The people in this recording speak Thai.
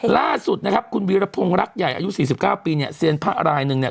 ล่าสุดนะครับคุณวีรพงศ์รักใหญ่อายุ๔๙ปีเนี่ยเซียนพระรายหนึ่งเนี่ย